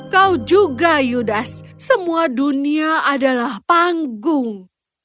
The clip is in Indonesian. kau juga yudas semua dunia adalah panggung